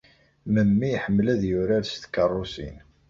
Memmi iḥemmel ad yurar s tkeṛṛusin.